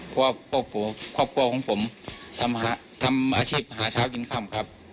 เพราะครอบครัวของผมทำอาชีพหาเช้ากินข้ามครับ